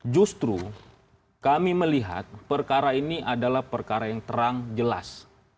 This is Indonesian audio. justru kami melihat perkara ini adalah perkara yang terang jelas